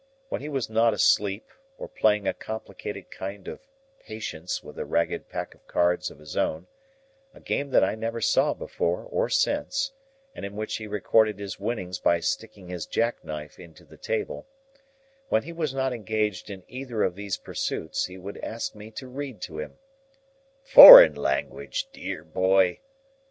When he was not asleep, or playing a complicated kind of Patience with a ragged pack of cards of his own,—a game that I never saw before or since, and in which he recorded his winnings by sticking his jackknife into the table,—when he was not engaged in either of these pursuits, he would ask me to read to him,—"Foreign language, dear boy!"